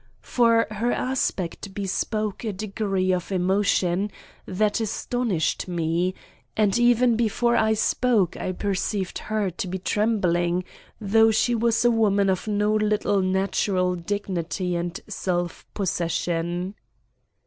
For her aspect bespoke a degree of emotion that astonished me; and even before I spoke I perceived her to be trembling, though she was a woman of no little natural dignity and self possession.